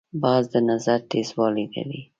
باز د نظر تیزوالی لري